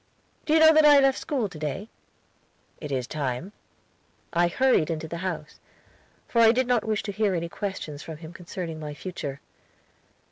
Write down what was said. "Do you know that I left school to day?" "It is time." I hurried into the house, for I did not wish to hear any questions from him concerning my future.